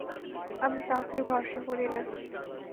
আমি কাউকেই ভরসা করি না।